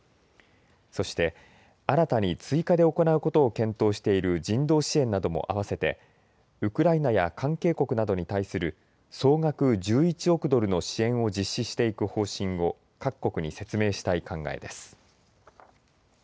そして新たに追加で行うことを検討している人道支援などもあわせてウクライナや関係国などに対する総額１１億ドルの支援を実施していく方針を各国に説明したい考えです。